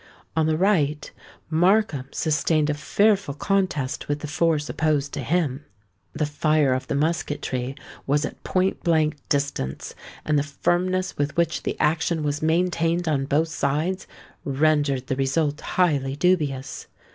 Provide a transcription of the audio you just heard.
On the right, Markham sustained a fearful contest with the force opposed to him. The fire of the musketry was at point blank distance; and the firmness with which the action was maintained on both sides, rendered the result highly dubious.